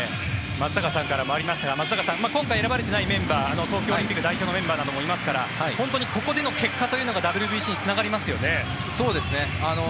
松坂さんからもありましたが今回は選ばれているメンバーは東京オリンピックの代表メンバーもいますからここのメンバーがＷＢＣにつながりますね。